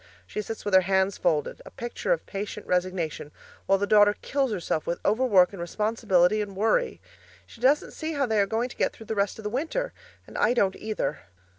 She sits with her hands folded, a picture of patient resignation, while the daughter kills herself with overwork and responsibility and worry; she doesn't see how they are going to get through the rest of the winter and I don't either.